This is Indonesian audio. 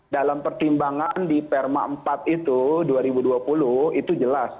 dalam pertimbangan di perma empat itu dua ribu dua puluh itu jelas